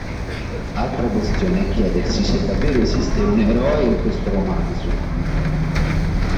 Altra questione è chiedersi se davvero esiste un eroe in questo romanzo.